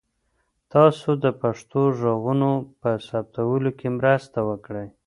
تاسو د پښتو ږغونو په ثبتولو کې مرسته وکړئ.